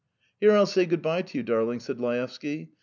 "Here I'll say good bye to you, darling," said Laevsky.